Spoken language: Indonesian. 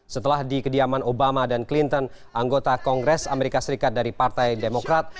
setelah di kediaman obama dan clinton anggota kongres amerika serikat dari partai demokrat